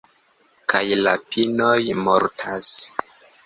Kaj la pinoj mortas.